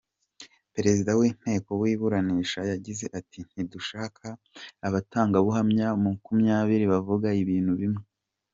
Perezida w’inteko w’imuburanisha yagize ati “Ntidushaka abatangabuhamya makumyabiri bavuga ibintu bimwe.